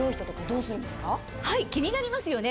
気になりますよね。